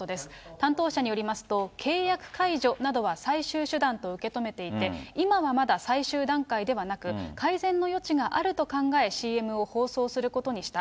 担当者によりますと、契約解除などは最終手段と受け止めていて今はまだ最終段階ではなく、改善の余地があると考え、ＣＭを放送することにした。